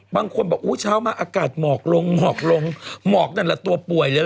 บางคนบอกอากาศเหมาะกลงตัวป่วยเลย